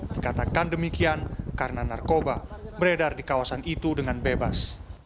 dikatakan demikian karena narkoba beredar di kawasan itu dengan bebas